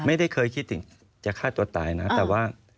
ไม่ได้เคยคิดถึงจะฆ่าตัวตายนะ